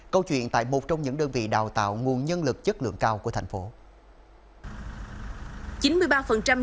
câu chuyện tại một trong những đơn vị đào tạo nguồn nhân lực chất lượng cao của tp hcm